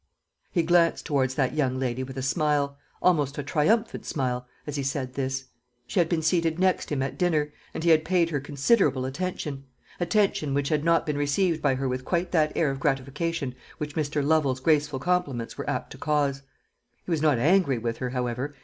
He glanced towards that young lady with a smile almost a triumphant smile as he said this. She had been seated next him at dinner, and he had paid her considerable attention attention which had not been received by her with quite that air of gratification which Mr. Lovel's graceful compliments were apt to cause. He was not angry with her, however.